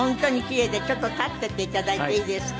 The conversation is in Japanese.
ちょっと立ってていただいていいですか？